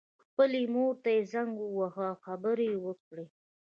خپلې مور ته یې زنګ وواهه او خبرې یې وکړې